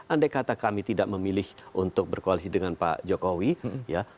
andai kata kami tidak memilih untuk berkoalisi dengan pak jokowi ya